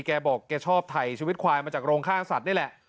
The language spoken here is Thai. แกบอกแกชอบถ่ายชีวิตควายมาจากโรงฆ่าสัตว์นี่แหละ